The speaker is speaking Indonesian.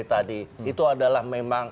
tadi itu adalah memang